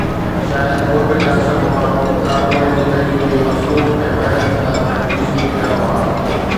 شايد ڳوٺ جا سڀ ماڻهو ڪاروباري زندگيءَ ۾ مصروف ۽ محنت کان ٿڪجي سمهي پيا هئا.